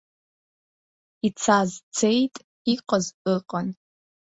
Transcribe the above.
Ицаз цеит, иҟаз ыҟан.